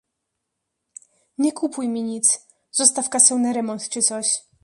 Nie kupuj mi nic, zostaw kasę na remont czy coś.